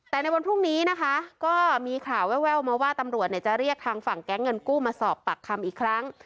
แต่ในวันพรุ่งนี้นะคะก็มีข่าวแววมาว่าตำรวจจะเรียกทางฝั่งแก๊งเงินกู้มาสอบปากคำอีกครั้ง